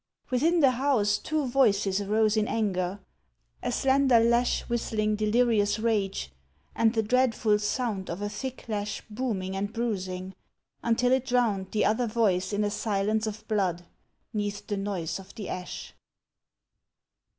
Within the house two voices arose in anger, a slender lash Whistling delirious rage, and the dreadful sound Of a thick lash booming and bruising, until it drowned The other voice in a silence of blood, 'neath the noise of the ash.